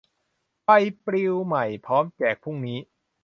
ใบปลิวใหม่ พร้อมแจกพรุ่งนี้